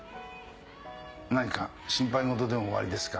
何か心配事でもおありですか？